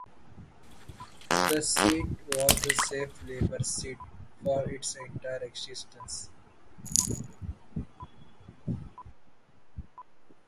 The seat was a safe Labor seat for its entire existence.